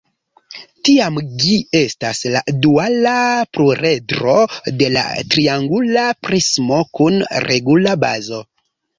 Tiam gi estas la duala pluredro de la triangula prismo kun regula bazo.